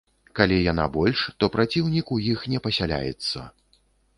Калі яна больш, то працаўнік у іх не пасяляецца.